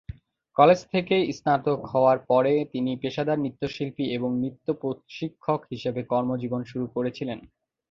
College থেকে স্নাতক হওয়ার পরে তিনি পেশাদার নৃত্যশিল্পী এবং নৃত্য প্রশিক্ষক হিসাবে কর্মজীবন শুরু করেছিলেন।